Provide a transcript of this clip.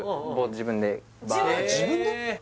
自分で？